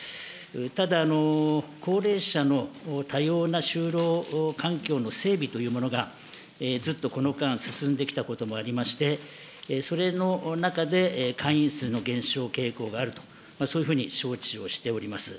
ただ、高齢者の多様な就労環境の整備というものが、ずっとこの間、進んできたこともありまして、それの中で会員数の減少傾向があると、そういうふうに承知をしております。